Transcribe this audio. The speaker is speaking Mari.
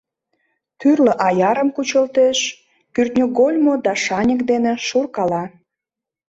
Тӱрлӧ аярым кучылтеш, кӱртньыгольмо да шаньык дене шуркала...